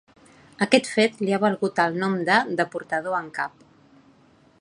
Aquest fet li ha valgut el nom de ‘deportador en cap’.